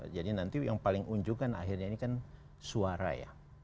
jadi nanti yang paling unjuk kan akhirnya ini kan suara ya